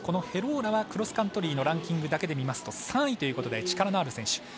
ヘローラはクロスカントリーのランキングだけで見ますと３位ということで力のある選手。